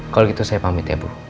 kalau gitu saya pamit ya bu